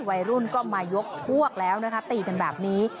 วัยรุ่นก็มายกพวกแล้วนะคะตีกันแบบนี้